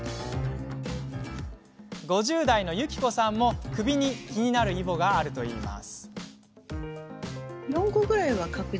５０代の、ゆきこさんも首に気になるイボがあるといいます。